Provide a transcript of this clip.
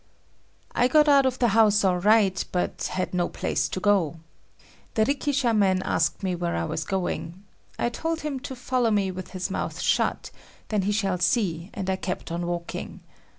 I got out of the house all right, but had no place to go. The rikishaman asked me where I was going. I told him to follow me with his mouth shut, then he shall see and I kept on walking.